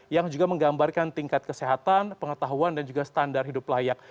yang juga menggambarkan tingkat kesehatan pengetahuan dan juga standar hidup layak